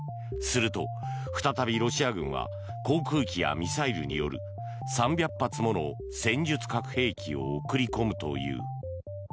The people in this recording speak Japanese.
すると再びロシア軍は航空機やミサイルによる３００発もの戦術核兵器を送り込むという。